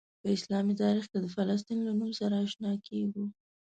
په اسلامي تاریخ کې د فلسطین له نوم سره آشنا کیږو.